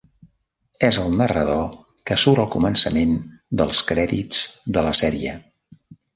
És el narrador que surt al començament dels crèdits de la sèrie.